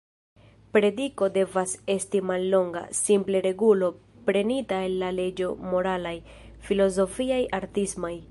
Prediko devas esti mallonga: simple regulo, prenita el la leĝoj moralaj, filozofiaj, artismaj.